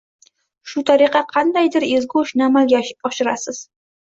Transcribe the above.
Shu tariqa qandaydir ezgu ishni amalga oshirasiz